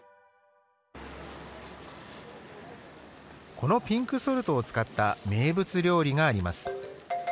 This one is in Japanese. このピンクソルトを使った名物料理があります。